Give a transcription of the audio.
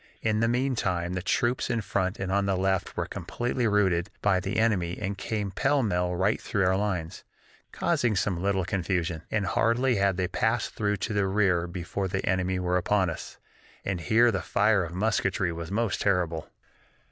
In the meantime the troops in front and on the left were completely routed by the enemy and came pell mell right through our lines, causing some little confusion, and hardly had they passed through to the rear before the enemy were upon us, and here the fire of musketry was most terrible.